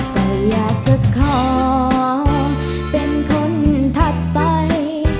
แต่อยากจะขอเป็นคนถัดไป